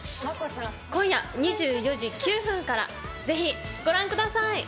今夜２４時９分からぜひご覧ください。